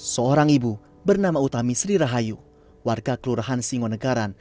seorang ibu bernama utami sri rahayu warga kelurahan singonegaran